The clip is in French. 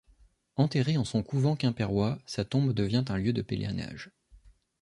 Enterré en son couvent quimpérois, sa tombe devient un lieu de pèlerinage.